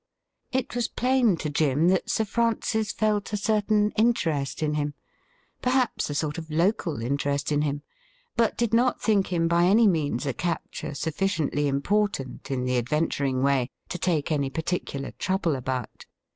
It was plain to Jim that Sir Francis felt a certain interest in him — perhaps a sort of local interest in him — but did not think him by any means a capture sufficiently important in the adventuring way to take any particular trouble about.